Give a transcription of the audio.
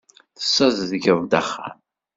Tessazedgeḍ-d axxam.